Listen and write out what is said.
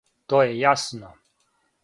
То је јасно.